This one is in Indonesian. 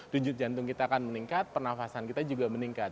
rujut jantung kita akan meningkat pernafasan kita juga meningkat